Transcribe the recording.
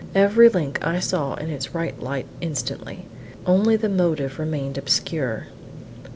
Every link I saw in its right light instantly. Only the motive remained obscure.